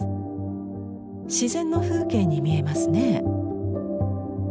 自然の風景に見えますね。